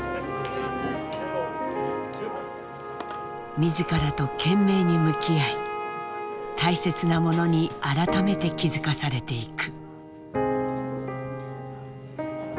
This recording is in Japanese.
自らと懸命に向き合い大切なものに改めて気付かされていく。